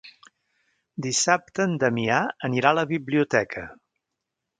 Dissabte en Damià anirà a la biblioteca.